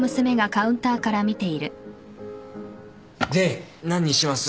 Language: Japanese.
で何にします？